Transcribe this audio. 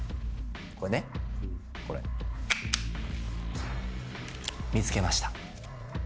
これねこれ見つけました